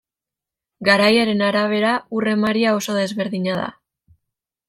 Garaiaren arabera, ur emaria oso desberdina da.